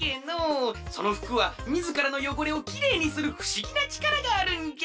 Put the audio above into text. そのふくはみずからのよごれをきれいにするふしぎなちからがあるんじゃ！